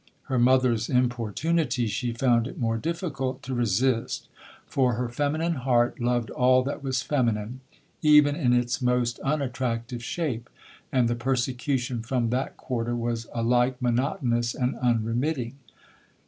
Her mother's importunity she found it more difficult to resist, for her feminine heart loved all that was feminine even in its most unattractive shape, and the persecution from that quarter was alike monotonous and unremitting.